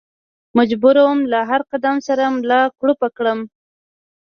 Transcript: مجبور ووم له هر قدم سره ملا کړوپه کړم.